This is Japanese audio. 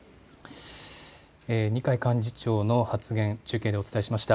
二階幹事長の発言、中継でお伝えしました。